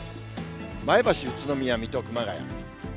前橋、宇都宮、水戸、熊谷。